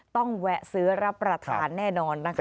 แวะซื้อรับประทานแน่นอนนะคะ